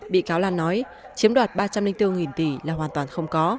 bị cáo lan nói chiếm đoạt ba trăm linh bốn tỷ là hoàn toàn không có